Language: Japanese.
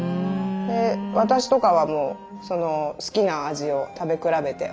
で私とかはもう好きな味を食べ比べて。